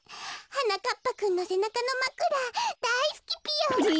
はなかっぱくんのせなかのまくらだいすきぴよ。え！